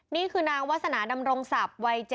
นี่คือนางวัสนาดำรงศัพท์